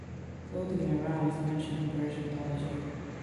Clothing in Iran is mentioned in Persian mythology.